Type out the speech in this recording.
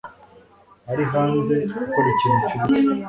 ari hanze akora ikintu cyubupfu.